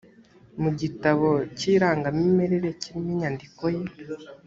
mu gitabo cy irangamimerere kirimo inyandiko ye